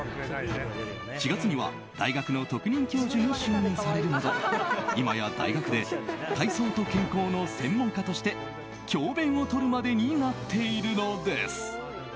４月には大学の特任教授に就任されるなど今や大学で体操と健康の専門家として教鞭をとるまでになっているのです。